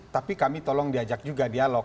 tapi kami tolong diajak juga dialog